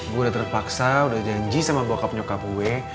gue udah terpaksa udah janji sama bokap nyokap gue